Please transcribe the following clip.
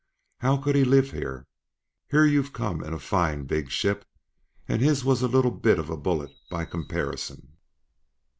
How could he live here? Here you've come in a fine, big ship, and his was a little bit of a bullet by comparison.